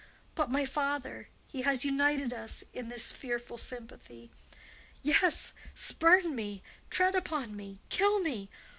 But my father,—he has united us in this fearful sympathy. Yes; spurn me, tread upon me, kill me!